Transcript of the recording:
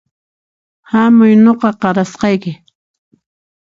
Hamuy nuqa qarasqayki